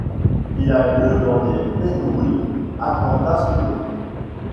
Il a lieu dans les Pinewood Atlanta Studios.